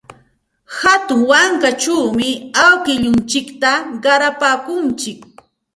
Hatun wankachawmi awkilluntsikta qarapaakuntsik.